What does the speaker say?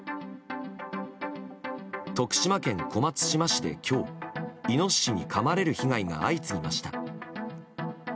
徳島県小松島市で今日イノシシにかまれる被害が相次ぎました。